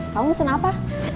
kamu mesen apa